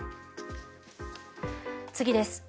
次です。